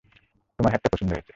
তোমার হ্যাট টা পছন্দ হয়েছে।